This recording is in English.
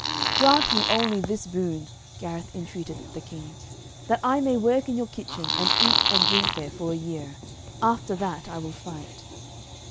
'Grant me only this boon,' Gareth entreated the King, 'that I may work in your kitchen and eat and drink there for a year. After that I will fight.'